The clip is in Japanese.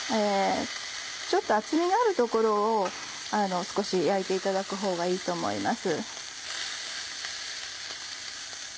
ちょっと厚みがある所を少し焼いていただく方がいいと思います。